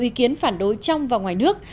ý kiến phản đối trong và ngoài nước